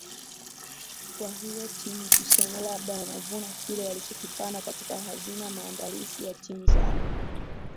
kwa hiyo timu tuseme labda wanavuna kile walichokipanda katika hazina maandalisi ya timu zao